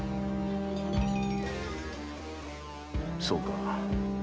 そうか。